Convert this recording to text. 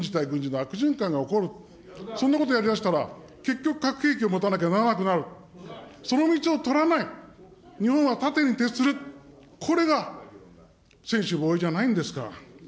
私はね、脅威に対して、脅威で対抗したら、それこそ軍事対軍事の悪循環が起こる、そんなことやりだしたら、結局、核兵器を持たなきゃならなくなる、その道を取らない、日本は盾に徹する、これが専守防衛じゃないんですか。